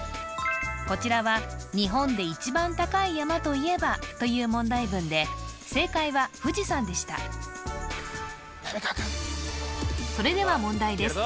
こちらは「日本で１番高い山といえば？」という問題文で正解は富士山でしたみなみかわくんそれでは問題です